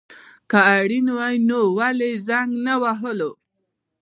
که اړين وای نو ولي يي زنګ نه وهلو